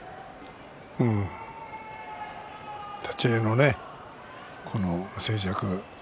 うん、立ち合いのね静寂。